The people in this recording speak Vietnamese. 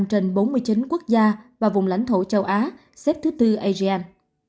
tổng số ca tử vong xếp thứ bốn mươi chín quốc gia và vùng lãnh thổ châu á xếp thứ bốn asean